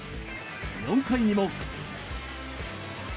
４回にも。